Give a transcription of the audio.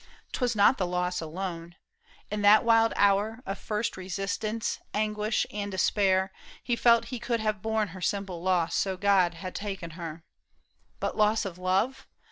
'Twas not the loss alone. In that wild hour Of first resistance, anguish, and despair, He felt he could have borne her simple loss So God had taken her. But loss of love